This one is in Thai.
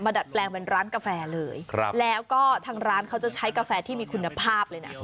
ดัดแปลงเป็นร้านกาแฟเลยครับแล้วก็ทางร้านเขาจะใช้กาแฟที่มีคุณภาพเลยนะ